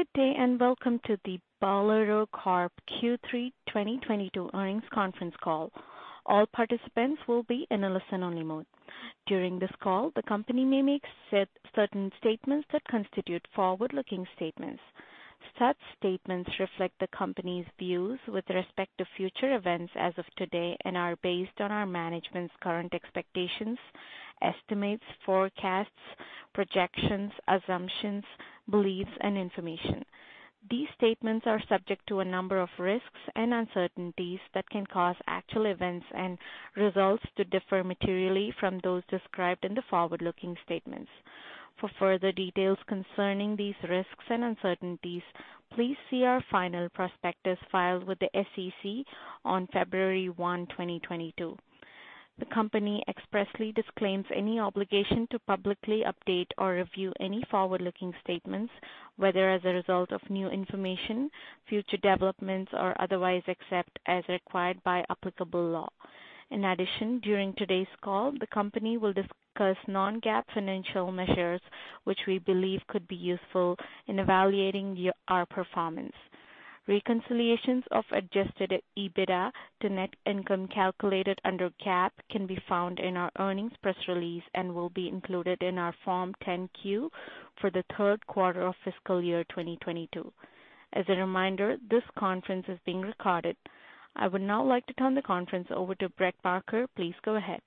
Good day, and welcome to the Bowlero Corp Q3 2022 earnings conference call. All participants will be in a listen-only mode. During this call, the company may make certain statements that constitute forward-looking statements. Such statements reflect the company's views with respect to future events as of today and are based on our management's current expectations, estimates, forecasts, projections, assumptions, beliefs, and information. These statements are subject to a number of risks and uncertainties that can cause actual events and results to differ materially from those described in the forward-looking statements. For further details concerning these risks and uncertainties, please see our final prospectus filed with the SEC on February 1, 2022. The company expressly disclaims any obligation to publicly update or review any forward-looking statements, whether as a result of new information, future developments, or otherwise, except as required by applicable law. In addition, during today's call, the company will discuss non-GAAP financial measures, which we believe could be useful in evaluating our performance. Reconciliations of adjusted EBITDA to net income calculated under GAAP can be found in our earnings press release and will be included in our Form 10-Q for the third quarter of fiscal year 2022. As a reminder, this conference is being recorded. I would now like to turn the conference over to Brett Parker. Please go ahead.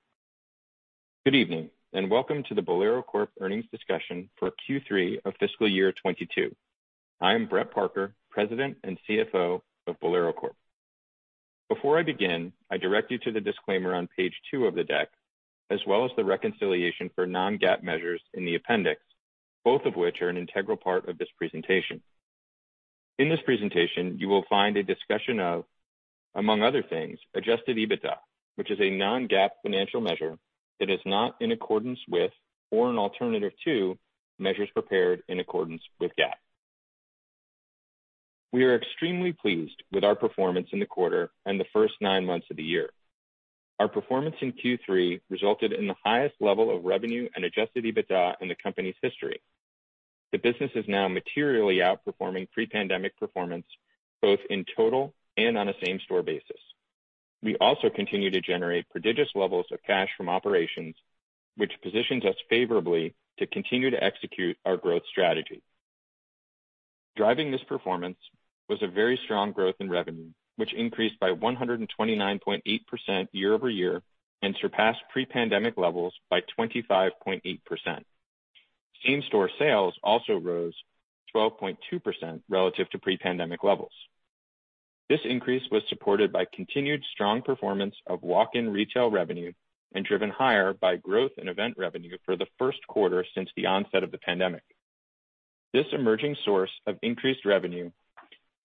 Good evening, and welcome to the Bowlero Corp earnings discussion for Q3 of fiscal year 2022. I am Brett Parker, President and CFO of Bowlero Corp. Before I begin, I direct you to the disclaimer on page two of the deck, as well as the reconciliation for non-GAAP measures in the appendix, both of which are an integral part of this presentation. In this presentation, you will find a discussion of, among other things, adjusted EBITDA, which is a non-GAAP financial measure that is not in accordance with or an alternative to measures prepared in accordance with GAAP. We are extremely pleased with our performance in the quarter and the first nine months of the year. Our performance in Q3 resulted in the highest level of revenue and adjusted EBITDA in the company's history. The business is now materially outperforming pre-pandemic performance, both in total and on a same-store basis. We also continue to generate prodigious levels of cash from operations, which positions us favorably to continue to execute our growth strategy. Driving this performance was a very strong growth in revenue, which increased by 129.8% year-over-year and surpassed pre-pandemic levels by 25.8%. Same-store sales also rose 12.2% relative to pre-pandemic levels. This increase was supported by continued strong performance of walk-in retail revenue and driven higher by growth in event revenue for the first quarter since the onset of the pandemic. This emerging source of increased revenue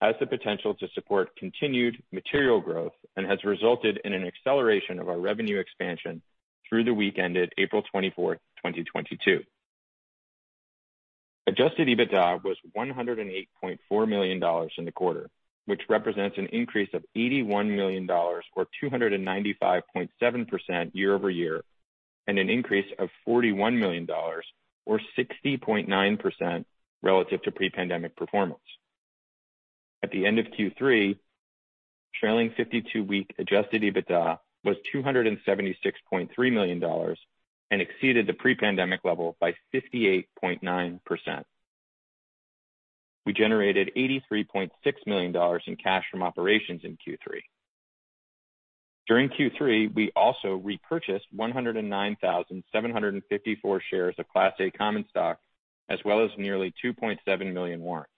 has the potential to support continued material growth and has resulted in an acceleration of our revenue expansion through the week ended April 24, 2022. Adjusted EBITDA was $108.4 million in the quarter, which represents an increase of $81 million or 295.7% year-over-year, and an increase of $41 million or 60.9% relative to pre-pandemic performance. At the end of Q3, trailing 52-week adjusted EBITDA was $276.3 million and exceeded the pre-pandemic level by 58.9%. We generated $83.6 million in cash from operations in Q3. During Q3, we also repurchased 109,754 shares of Class A common stock as well as nearly 2.7 million warrants.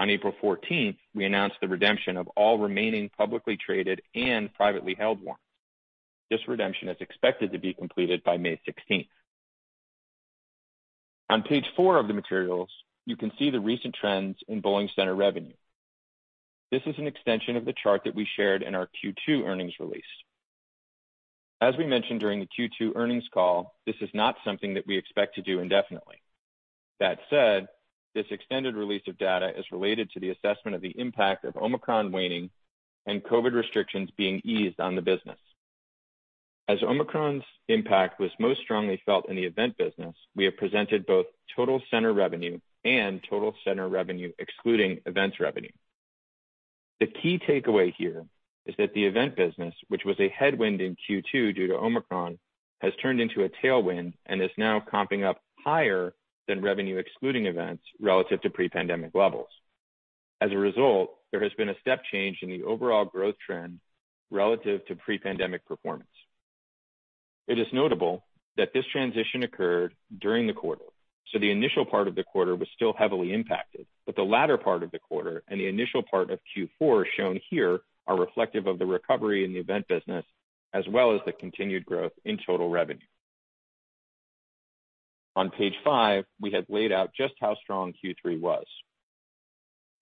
On April 14, we announced the redemption of all remaining publicly traded and privately held warrants. This redemption is expected to be completed by May 16. On page four of the materials, you can see the recent trends in bowling center revenue. This is an extension of the chart that we shared in our Q2 earnings release. As we mentioned during the Q2 earnings call, this is not something that we expect to do indefinitely. That said, this extended release of data is related to the assessment of the impact of Omicron waning and COVID restrictions being eased on the business. As Omicron's impact was most strongly felt in the event business, we have presented both total center revenue and total center revenue excluding events revenue. The key takeaway here is that the event business, which was a headwind in Q2 due to Omicron, has turned into a tailwind and is now comping up higher than revenue excluding events relative to pre-pandemic levels. As a result, there has been a step change in the overall growth trend relative to pre-pandemic performance. It is notable that this transition occurred during the quarter, so the initial part of the quarter was still heavily impacted, but the latter part of the quarter and the initial part of Q4 shown here are reflective of the recovery in the event business as well as the continued growth in total revenue. On page five, we have laid out just how strong Q3 was.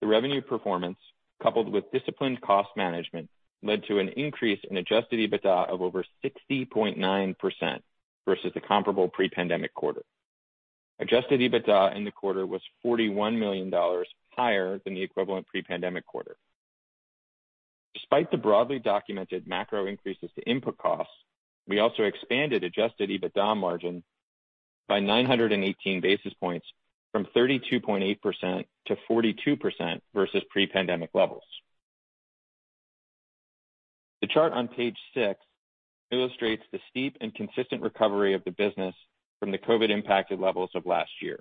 The revenue performance, coupled with disciplined cost management, led to an increase in Adjusted EBITDA of over 60.9% versus the comparable pre-pandemic quarter. Adjusted EBITDA in the quarter was $41 million higher than the equivalent pre-pandemic quarter. Despite the broadly documented macro increases to input costs, we also expanded Adjusted EBITDA margin by 918 basis points from 32.8% to 42% versus pre-pandemic levels. The chart on page 6 illustrates the steep and consistent recovery of the business from the COVID-impacted levels of last year.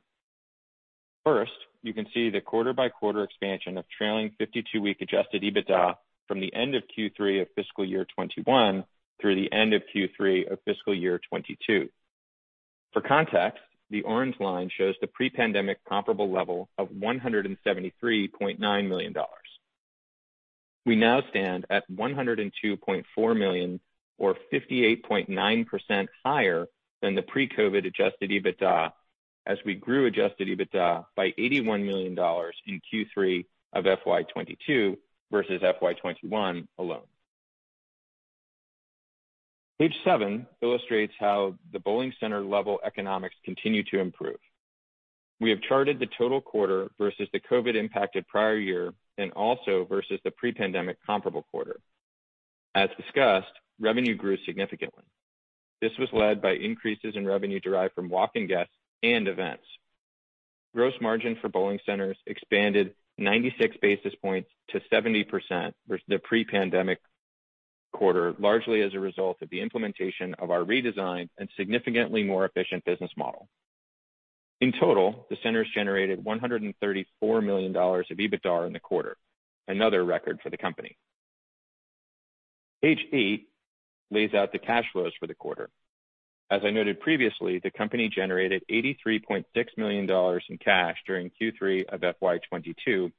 First, you can see the quarter-by-quarter expansion of trailing 52-week Adjusted EBITDA from the end of Q3 of fiscal year 2021 through the end of Q3 of fiscal year 2022. For context, the orange line shows the pre-pandemic comparable level of $173.9 million. We now stand at $102.4 million or 58.9% higher than the pre-COVID Adjusted EBITDA as we grew Adjusted EBITDA by $81 million in Q3 of FY 2022 versus FY 2021 alone. Page seven illustrates how the bowling center level economics continue to improve. We have charted the total quarter versus the COVID impacted prior year and also versus the pre-pandemic comparable quarter. As discussed, revenue grew significantly. This was led by increases in revenue derived from walk-in guests and events. Gross margin for bowling centers expanded 96 basis points to 70% versus the pre-pandemic quarter, largely as a result of the implementation of our redesigned and significantly more efficient business model. In total, the centers generated $134 million of EBITDA in the quarter, another record for the company. Page eight lays out the cash flows for the quarter. As I noted previously, the company generated $83.6 million in cash during Q3 of FY 2022,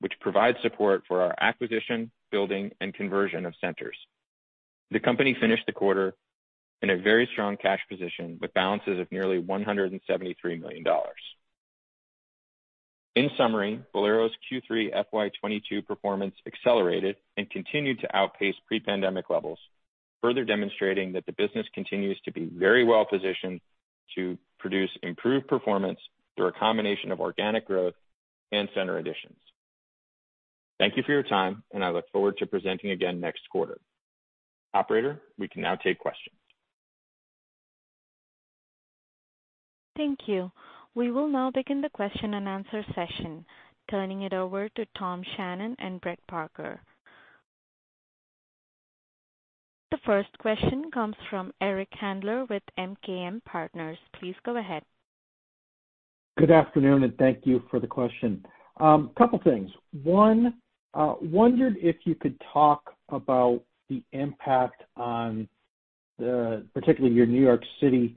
which provides support for our acquisition, building, and conversion of centers. The company finished the quarter in a very strong cash position, with balances of nearly $173 million. In summary, Bowlero's Q3 FY 2022 performance accelerated and continued to outpace pre-pandemic levels, further demonstrating that the business continues to be very well positioned to produce improved performance through a combination of organic growth and center additions. Thank you for your time, and I look forward to presenting again next quarter. Operator, we can now take questions. Thank you. We will now begin the question and answer session, turning it over to Tom Shannon and Brett Parker. The first question comes from Eric Handler with MKM Partners. Please go ahead. Good afternoon, and thank you for the question. Couple things. One, wondered if you could talk about the impact on the, particularly your New York City,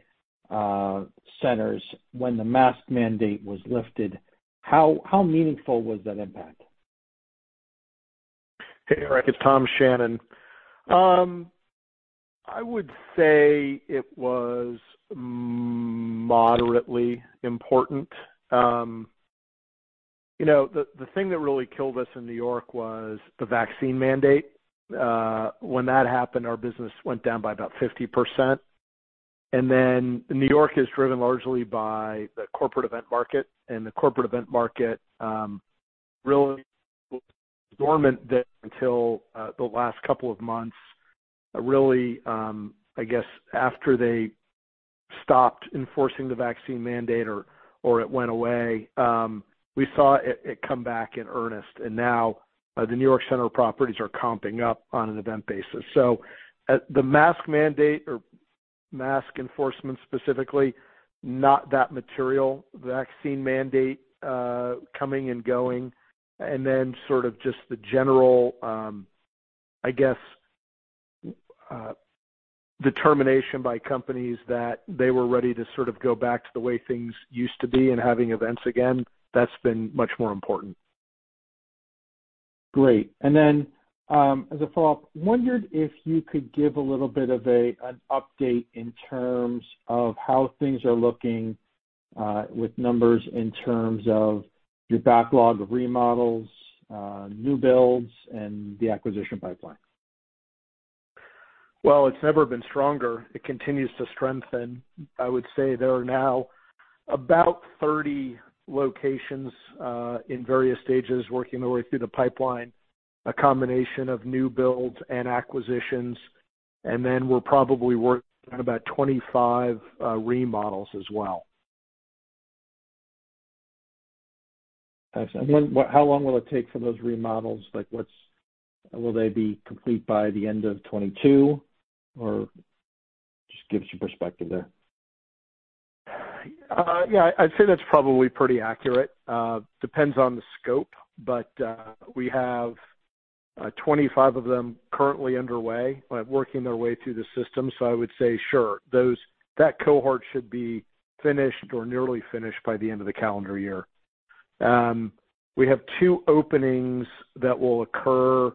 centers when the mask mandate was lifted, how meaningful was that impact? Hey, Eric, it's Tom Shannon. I would say it was moderately important. You know, the thing that really killed us in New York was the vaccine mandate. When that happened, our business went down by about 50%. New York is driven largely by the corporate event market, and the corporate event market really dormant until the last couple of months, really, I guess after they stopped enforcing the vaccine mandate or it went away, we saw it come back in earnest. Now the New York Center properties are comping up on an event basis. The mask mandate or mask enforcement, specifically, not that material. Vaccine mandate coming and going, and then sort of just the general, I guess, determination by companies that they were ready to sort of go back to the way things used to be and having events again, that's been much more important. Great. Then, as a follow-up, wondered if you could give a little bit of an update in terms of how things are looking, with numbers in terms of your backlog of remodels, new builds, and the acquisition pipeline. Well, it's never been stronger. It continues to strengthen. I would say there are now about 30 locations in various stages working their way through the pipeline, a combination of new builds and acquisitions, and then we're probably working on about 25 remodels as well. How long will it take for those remodels? Will they be complete by the end of 2022? Or just give us your perspective there. Yeah, I'd say that's probably pretty accurate. Depends on the scope, but we have 25 of them currently underway, working their way through the system. I would say, sure, those that cohort should be finished or nearly finished by the end of the calendar year. We have two openings that will occur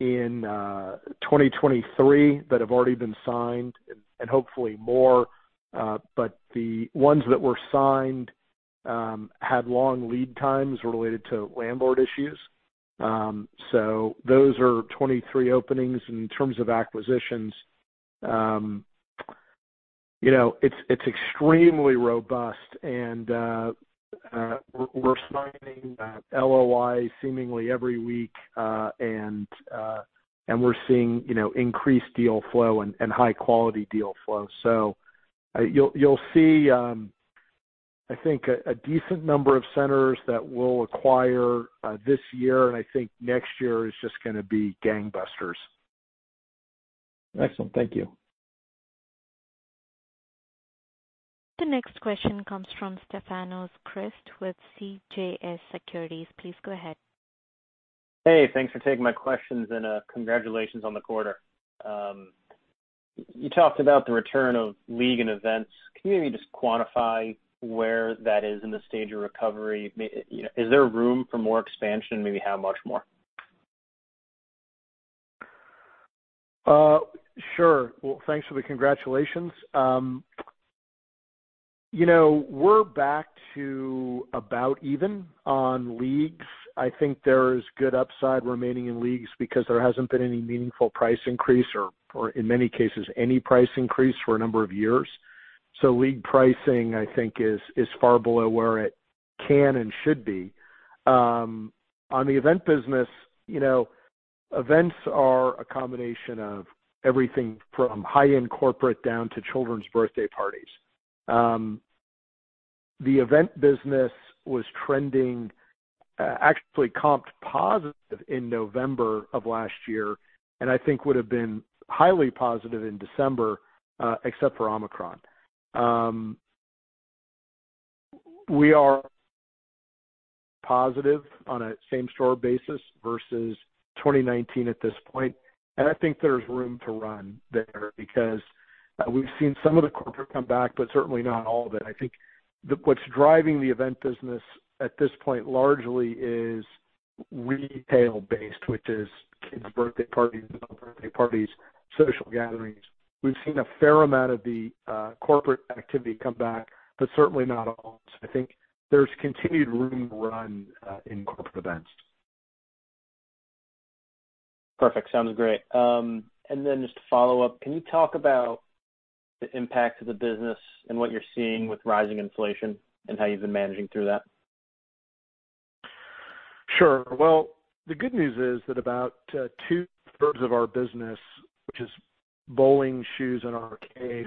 in 2023 that have already been signed and hopefully more. The ones that were signed had long lead times related to landlord issues. Those are 23 openings. In terms of acquisitions, It's extremely robust and we're signing LOI seemingly every week, and we're seeing increased deal flow and high quality deal flow. You'll see, I think a decent number of centers that we'll acquire this year, and I think next year is just gonna be gangbusters. Excellent. Thank you. The next question comes from Stefanos Crist with CJS Securities. Please go ahead. Hey, thanks for taking my questions and, congratulations on the quarter. You talked about the return of league and events. Can you maybe just quantify where that is in the stage of recovery? Is there room for more expansion, and maybe how much more? Sure. Well, thanks for the congratulations. We're back to about even on leagues. I think there's good upside remaining in leagues because there hasn't been any meaningful price increase or in many cases, any price increase for a number of years. League pricing, I think, is far below where it can and should be. On the event business, events are a combination of everything from high-end corporate down to children's birthday parties. The event business was trending, actually comp positive in November of last year, and I think would have been highly positive in December, except for Omicron. We are positive on a same-store basis versus 2019 at this point, and I think there's room to run there because we've seen some of the corporate come back, but certainly not all of it. I think what's driving the event business at this point largely is retail-based, which is kids' birthday parties, adult birthday parties, social gatherings. We've seen a fair amount of the corporate activity come back, but certainly not all. I think there's continued room to run in corporate events. Perfect. Sounds great. Just to follow up, can you talk about the impact to the business and what you're seeing with rising inflation and how you've been managing through that? Sure. Well, the good news is that about two-thirds of our business, which is bowling shoes and arcade.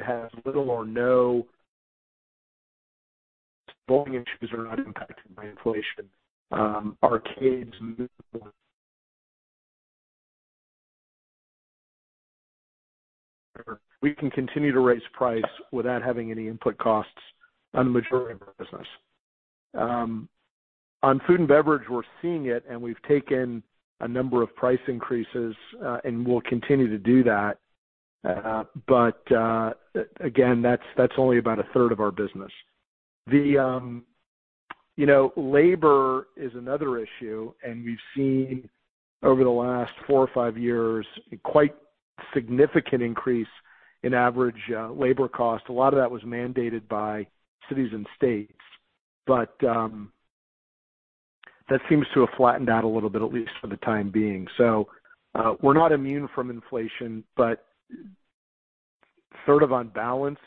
Bowling and shoes are not impacted by inflation. Arcades move more. We can continue to raise prices without having any input costs on the majority of our business. On food and beverage, we're seeing it, and we've taken a number of price increases, and we'll continue to do that. Again, that's only about a third of our business. Labor is another issue, and we've seen over the last four or five years a quite significant increase in average labor cost. A lot of that was mandated by cities and states, but that seems to have flattened out a little bit, at least for the time being. We're not immune from inflation, but sort of on balance,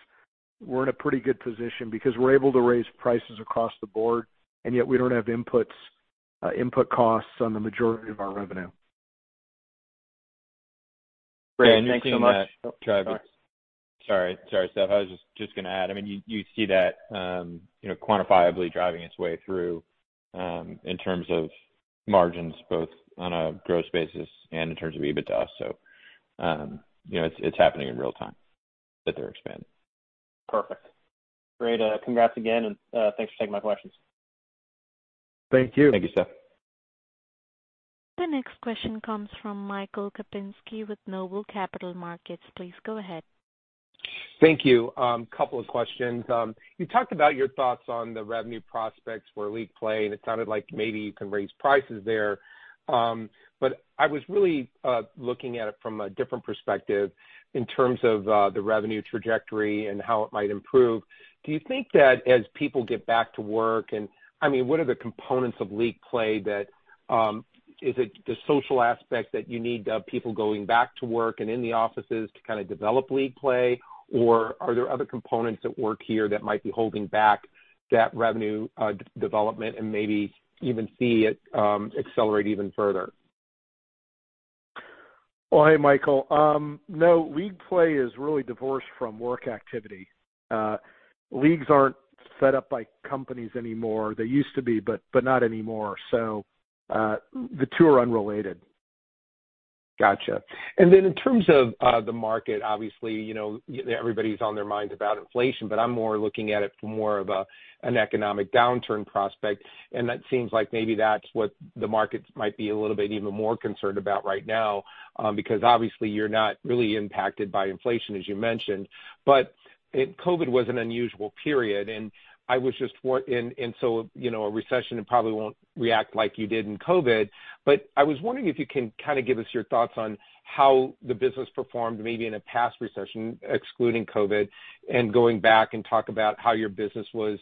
we're in a pretty good position because we're able to raise prices across the board, and yet we don't have input costs on the majority of our revenue. Great. Thank you so much. Sorry, Stef. I was just gonna add, I mean, you see that, you know, quantifiably driving its way through, in terms of margins both on a gross basis and in terms of EBITDA. It's happening in real time that they're expanding. Perfect. Great. Congrats again, and thanks for taking my questions. Thank you. Thank you, Stef. The next question comes from Michael Kupinski with Noble Capital Markets. Please go ahead. Thank you. Couple of questions. You talked about your thoughts on the revenue prospects for league play, and it sounded like maybe you can raise prices there. I was really looking at it from a different perspective in terms of the revenue trajectory and how it might improve. Do you think that as people get back to work and I mean, what are the components of league play that is it the social aspect that you need people going back to work and in the offices to kind of develop league play, or are there other components at work here that might be holding back that revenue development and maybe even see it accelerate even further? Oh, hey, Michael. No, league play is really divorced from work activity. Leagues aren't set up by companies anymore. They used to be, but not anymore. The two are unrelated. Gotcha. Then in terms of the market, obviously everybody's on their minds about inflation, but I'm more looking at it from more of an economic downturn prospect, and that seems like maybe that's what the markets might be a little bit even more concerned about right now, because obviously you're not really impacted by inflation, as you mentioned. COVID was an unusual period, and so you know, a recession, it probably won't react like you did in COVID. I was wondering if you can kind of give us your thoughts on how the business performed maybe in a past recession, excluding COVID, and going back and talk about how your business was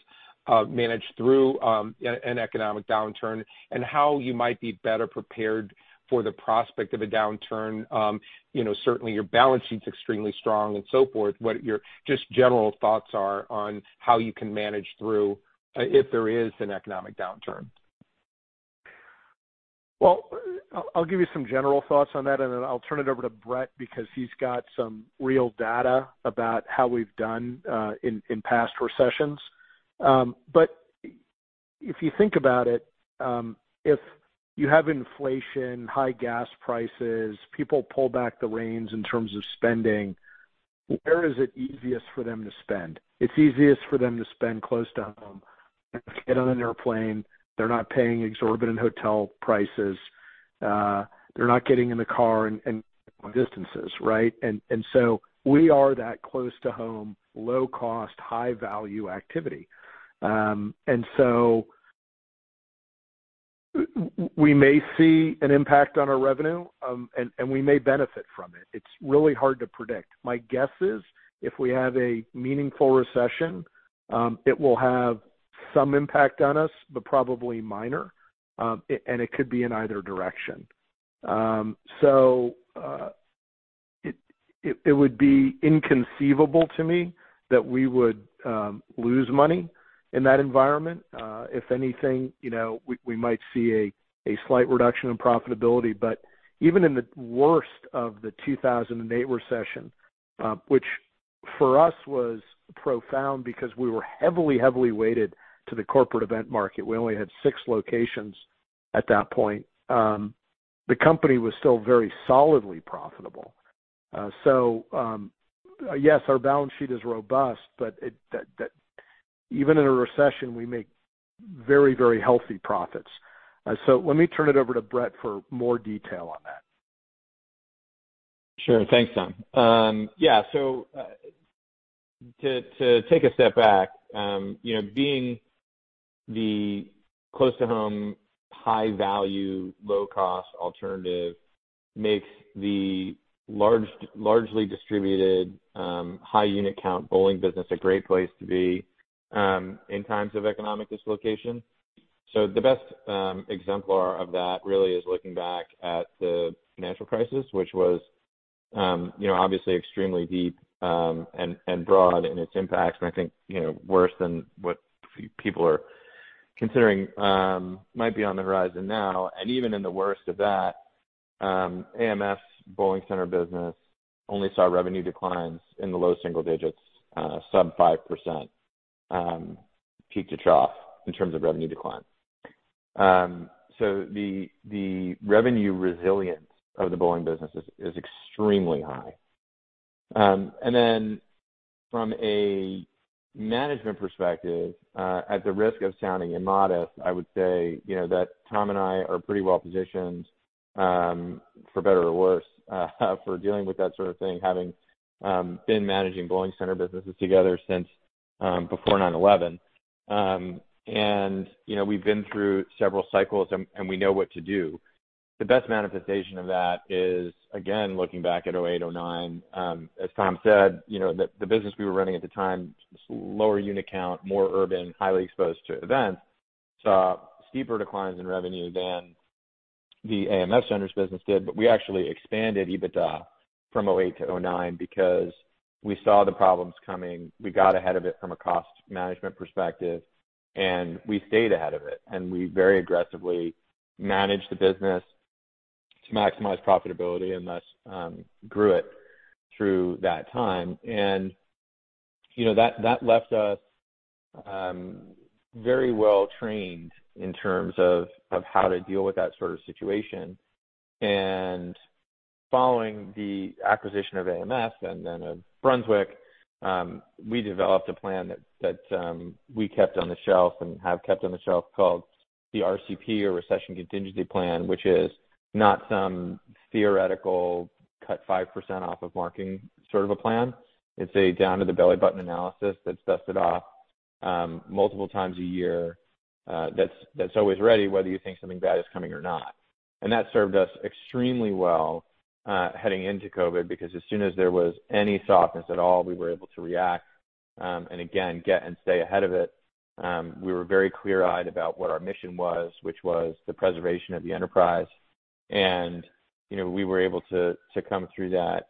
managed through an economic downturn and how you might be better prepared for the prospect of a downturn. Certainly your balance sheet's extremely strong and so forth. What your just general thoughts are on how you can manage through if there is an economic downturn? Well, I'll give you some general thoughts on that, and then I'll turn it over to Brett because he's got some real data about how we've done in past recessions. If you think about it, if you have inflation, high gas prices, people pull back the reins in terms of spending, where is it easiest for them to spend? It's easiest for them to spend close to home. They don't have to get on an airplane. They're not paying exorbitant hotel prices. They're not getting in the car and distances, right? We are that close to home, low cost, high value activity. We may see an impact on our revenue, and we may benefit from it. It's really hard to predict. My guess is if we have a meaningful recession, it will have some impact on us, but probably minor, and it could be in either direction. It would be inconceivable to me that we would lose money in that environment. If anything we might see a slight reduction in profitability, but even in the worst of the 2008 recession, which for us was profound because we were heavily weighted to the corporate event market. We only had six locations at that point. The company was still very solidly profitable. Yes, our balance sheet is robust, but that even in a recession, we make very healthy profits. Let me turn it over to Brett for more detail on that. Sure. Thanks, Tom. Yeah, to take a step back being the close-to-home, high value, low cost alternative makes the largely distributed, high unit count bowling business a great place to be, in times of economic dislocation. The best exemplar of that really is looking back at the financial crisis, which was obviously extremely deep, and broad in its impacts. And I think worse than what people are considering, might be on the horizon now, and even in the worst of that, AMF Bowling Center business only saw revenue declines in the low single digits, sub-5%, peak to trough in terms of revenue decline. The revenue resilience of the bowling business is extremely high. From a management perspective, at the risk of sounding immodest, I would say, you know, that Tom and I are pretty well positioned, for better or worse, for dealing with that sort of thing, having been managing bowling center businesses together since before 9/11. We've been through several cycles and we know what to do. The best manifestation of that is, again, looking back at 2008, 2009, as Tom said the business we were running at the time, lower unit count, more urban, highly exposed to events, saw steeper declines in revenue than the AMF Centers business did. We actually expanded EBITDA from 2008 to 2009 because we saw the problems coming. We got ahead of it from a cost management perspective, and we stayed ahead of it, and we very aggressively managed the business to maximize profitability and thus grew it through that time. You know, that left us very well trained in terms of how to deal with that sort of situation. Following the acquisition of AMF and then of Brunswick, we developed a plan that we kept on the shelf and have kept on the shelf called the RCP or Recession Contingency Plan, which is not some theoretical cut 5% off of marketing sort of a plan. It's a down to the belly button analysis that's dusted off multiple times a year, that's always ready, whether you think something bad is coming or not. That served us extremely well heading into COVID, because as soon as there was any softness at all, we were able to react and again get and stay ahead of it. We were very clear-eyed about what our mission was, which was the preservation of the enterprise. We were able to to come through that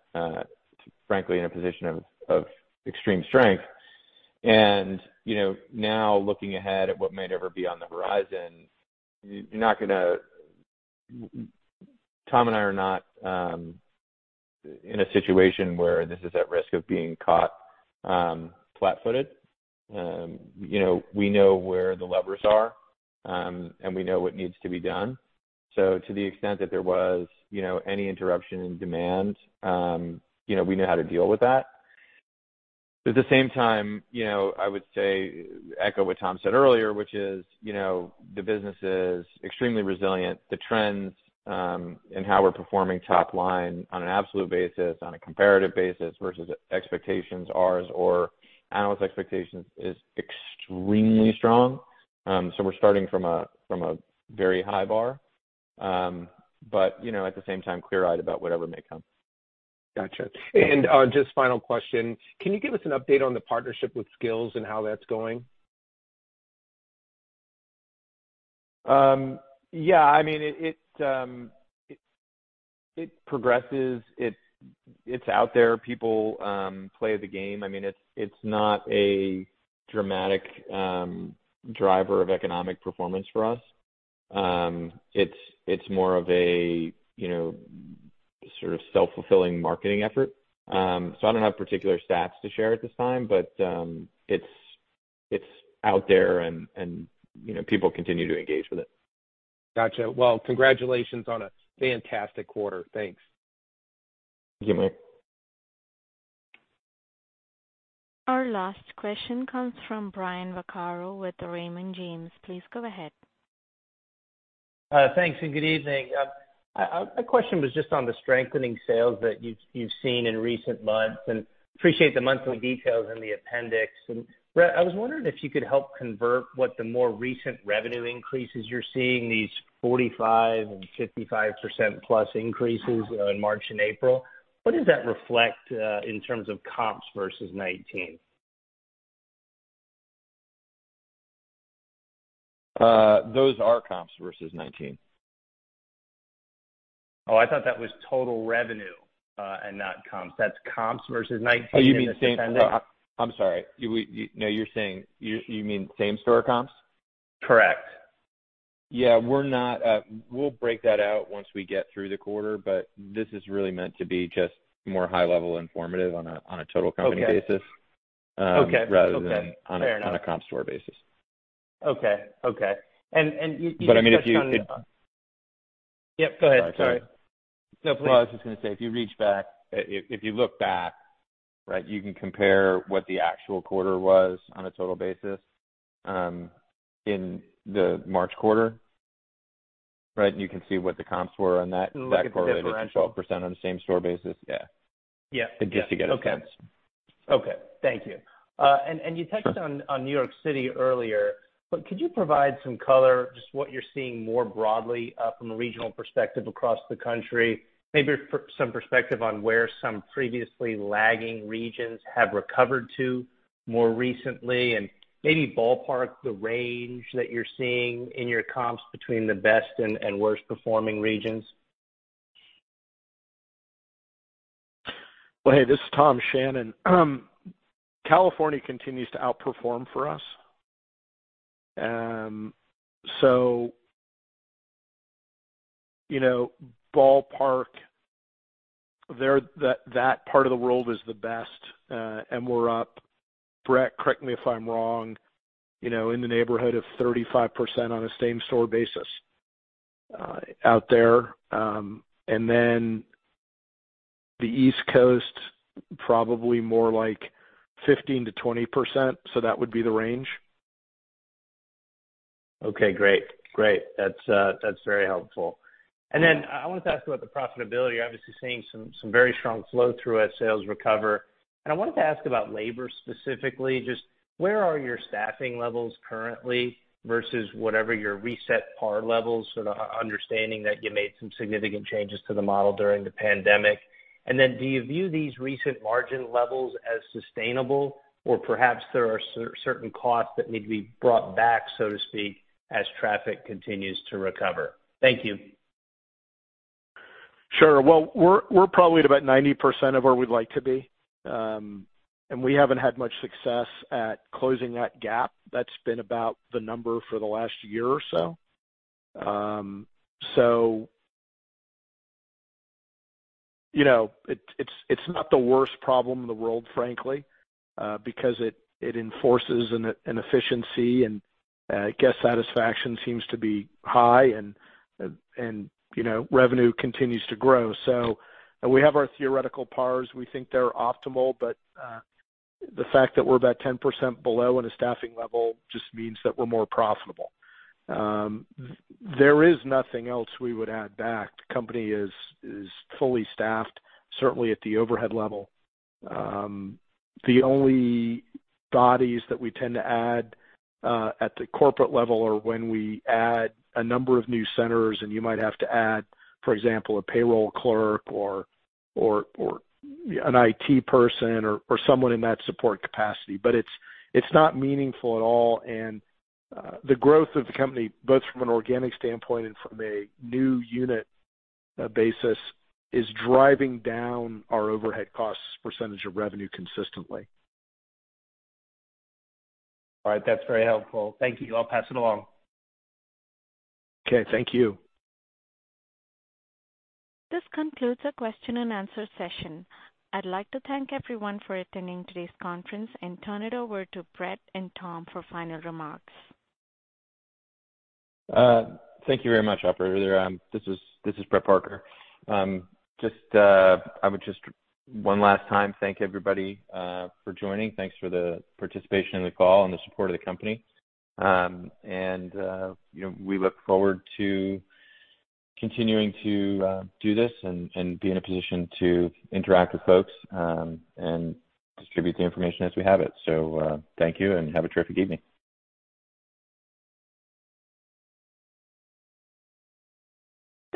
frankly in a position of extreme strength. Now looking ahead at what might ever be on the horizon, you're not gonna. Tom and I are not in a situation where this is at risk of being caught flat-footed. We know where the levers are and we know what needs to be done. To the extent that there was you know any interruption in demand you know we know how to deal with that. At the same time, I would say echo what Tom said earlier, which is, you know, the business is extremely resilient. The trends in how we're performing top line on an absolute basis, on a comparative basis versus expectations, ours or analyst expectations, is extremely strong. We're starting from a very high bar. You know, at the same time clear-eyed about whatever may come. Gotcha. Just final question, can you give us an update on the partnership with Skillz and how that's going? Yeah, I mean, it progresses. It's out there. People play the game. I mean, it's not a dramatic driver of economic performance for us. It's more of a sort of self-fulfilling marketing effort. I don't have particular stats to share at this time, but it's out there and people continue to engage with it. Gotcha. Well, congratulations on a fantastic quarter. Thanks. Thank you, Mike. Our last question comes from Brian Vaccaro with Raymond James. Please go ahead. Thanks and good evening. My question was just on the strengthening sales that you've seen in recent months, and appreciate the monthly details in the appendix. Brett, I was wondering if you could help convert what the more recent revenue increases you're seeing, these 45% and 55% plus increases in March and April, what does that reflect, in terms of comps versus 2019? Those are comps versus 2019. Oh, I thought that was total revenue, and not comps. That's comps versus 19- Oh, you mean same? I'm sorry. No, you're saying you mean same store comps? Correct. Yeah, we're not, we'll break that out once we get through the quarter, but this is really meant to be just more high level informative on a total company basis. Okay. Um, rather than- Okay. Fair enough. on a comp store basis. Okay. You touched on. I mean, if you- Yep, go ahead, sorry. Sorry. No, please. Well, I was just gonna say if you look back, right, you can compare what the actual quarter was on a total basis in the March quarter, right? You can see what the comps were on that quarter at 12% on the same store basis. Yeah. Yeah. Just to get a sense. Okay. Thank you. You touched on New York City earlier, but could you provide some color, just what you're seeing more broadly, from a regional perspective across the country? Maybe perhaps some perspective on where some previously lagging regions have recovered to more recently, and maybe ballpark the range that you're seeing in your comps between the best and worst performing regions. Well, hey, this is Tom Shannon. California continues to outperform for us. So ballpark there, that part of the world is the best, and we're up, Brett, correct me if I'm wrong in the neighborhood of 35% on a same store basis, out there. And then the East Coast, probably more like 15%-20%. That would be the range. Okay, great. Great. That's very helpful. I wanted to ask about the profitability. You're obviously seeing some very strong flow through as sales recover. I wanted to ask about labor specifically. Just where are your staffing levels currently versus whatever your reset par levels, sort of understanding that you made some significant changes to the model during the pandemic. Do you view these recent margin levels as sustainable or perhaps there are certain costs that need to be brought back, so to speak, as traffic continues to recover? Thank you. Sure. Well, we're probably at about 90% of where we'd like to be. We haven't had much success at closing that gap. That's been about the number for the last year or so. It's not the worst problem in the world, frankly, because it enforces an efficiency and guest satisfaction seems to be high and you know, revenue continues to grow. We have our theoretical pars. We think they're optimal, but the fact that we're about 10% below in a staffing level just means that we're more profitable. There is nothing else we would add back. The company is fully staffed, certainly at the overhead level. The only bodies that we tend to add at the corporate level are when we add a number of new centers and you might have to add, for example, a payroll clerk or an IT person or someone in that support capacity. But it's not meaningful at all. The growth of the company, both from an organic standpoint and from a new unit basis, is driving down our overhead costs percentage of revenue consistently. All right. That's very helpful. Thank you. I'll pass it along. Okay. Thank you. This concludes the question and answer session. I'd like to thank everyone for attending today's conference and turn it over to Brett and Tom for final remarks. Thank you very much, operator. This is Brett Parker. Just, I would just one last time thank everybody for joining. Thanks for the participation in the call and the support of the company. We look forward to continuing to do this and be in a position to interact with folks and distribute the information as we have it. Thank you and have a terrific evening.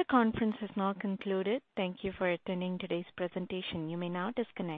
The conference has now concluded. Thank you for attending today's presentation. You may now disconnect.